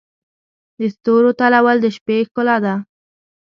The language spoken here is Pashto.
د ستورو تلؤل د شپې ښکلا ده.